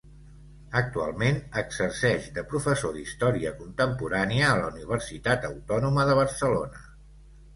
Actualment exerceix de professor d'Història contemporània a la Universitat Autònoma de Barcelona.